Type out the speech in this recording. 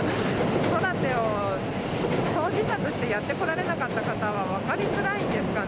子育てを当事者としてやってこられなかった方は分かりづらいんですかね。